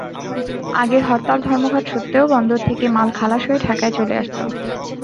আগের হরতাল-ধর্মঘট সত্ত্বেও বন্দর থেকে মাল খালাস হয়ে ঢাকায় চলে আসত।